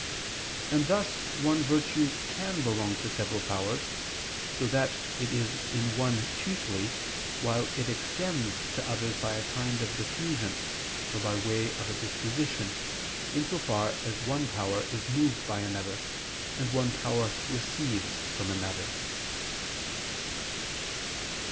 And thus one virtue can belong to several powers, so that it is in one chiefly, while it extends to others by a kind of diffusion, or by way of a disposition, in so far as one power is moved by another, and one power receives from another.